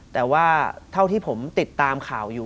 แต่ว่าเท่าที่ผมติดตามข่าวอยู่